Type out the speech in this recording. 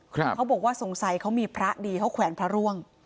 เขาบอกว่าสงสัยเขามีพระดีเขาแขวนพระร่วง